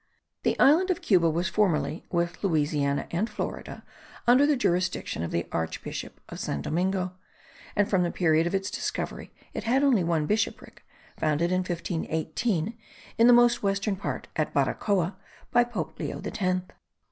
The island of Cuba was formerly, with Louisiana and Florida, under the jurisdiction of the archbishop of San Domingo, and from the period of its discovery it had only one bishopric, founded in 1518, in the most western part at Baracoa by Pope Leo X.